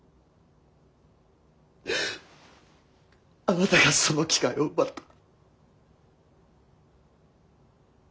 あなたがその機会を奪った。